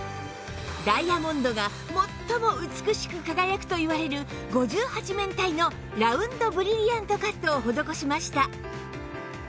ダイヤモンドが最も美しく輝くといわれる５８面体のラウンドブリリアントカットを施しました